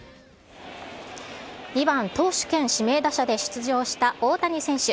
２番投手兼指名打者で出場した大谷選手。